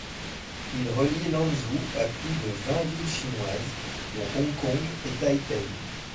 Il relie Lanzhou à plus de vingt villes chinoises, dont Hong Kong et Taipei.